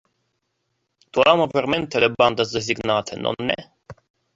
Tu ama vermente le bandas designate, nonne?